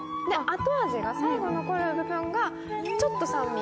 後味が最後に残る部分がちょっと酸味。